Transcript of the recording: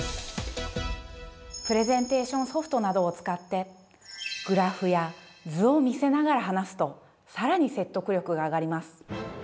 プレゼンテーションソフトなどを使ってグラフや図を見せながら話すとさらに説得力が上がります。